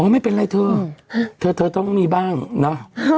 โอ้ไม่เป็นไรตัวต้องมีบ้างนะ